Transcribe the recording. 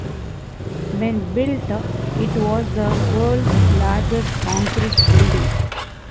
When built, it was the world's largest concrete building.